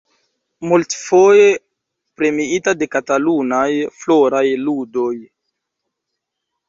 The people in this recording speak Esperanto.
Multfoje premiita de Katalunaj Floraj Ludoj.